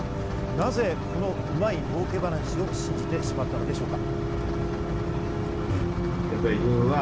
なぜこのうまい儲け話を信じてしまうのでしょうか。